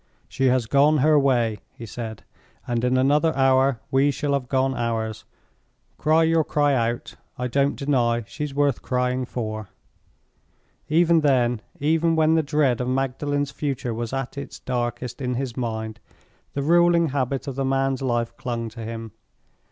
"She has gone her way," he said, "and in another hour we shall have gone ours. Cry your cry out—I don't deny she's worth crying for." Even then—even when the dread of Magdalen's future was at its darkest in his mind—the ruling habit of the man's life clung to him.